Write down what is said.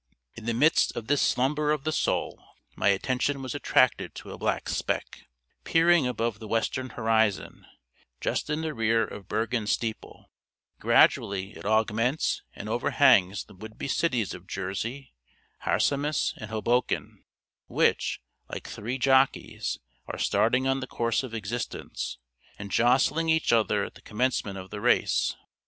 In the midst of this slumber of the soul my attention was attracted to a black speck, peering above the western horizon, just in the rear of Bergen steeple; gradually it augments and overhangs the would be cities of Jersey, Harsimus, and Hoboken, which, like three jockeys, are starting on the course of existence, and jostling each other at the commencement of the race.